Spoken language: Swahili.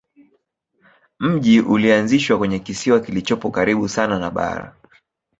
Mji ulianzishwa kwenye kisiwa kilichopo karibu sana na bara.